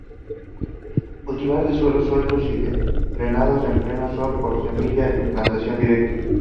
Cultivar de suelos sueltos y drenados, a pleno sol, por semilla en plantación directa.